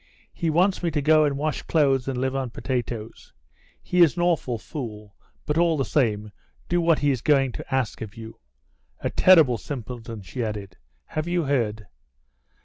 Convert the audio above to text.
"He wants me to go and wash clothes and live on potatoes. He is an awful fool, but all the same do what he is going to ask of you. A terrible simpleton," she added. "Have you heard?